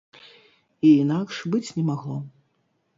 І інакш быць не магло.